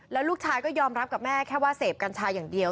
แล้วลูกชายก็ยอมรับกับแม่แค่ว่าเสพกัญชาอย่างเดียว